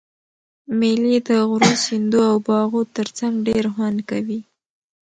مېلې د غرو، سیندو او باغو ترڅنګ ډېر خوند کوي.